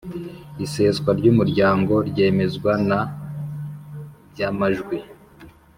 Iseswa ry umuryango ryemezwa na by amajwi